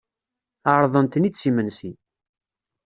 Ɛerḍen-ten-id s imensi.